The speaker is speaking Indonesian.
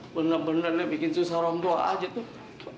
bener bener ya bikin susah orang tua aja tuh